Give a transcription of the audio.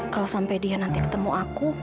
kalau sampai dia nanti ketemu aku